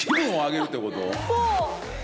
そう！